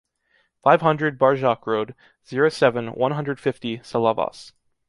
Five hundred, Barjac road, zero seven, one hundred fifty, Salavas